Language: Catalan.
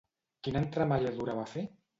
Quina entremaliadura va fer?